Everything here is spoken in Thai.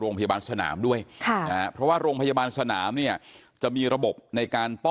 นี่นี่นี่นี่นี่นี่นี่นี่นี่นี่